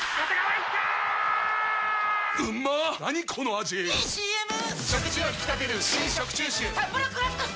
⁉いいＣＭ！！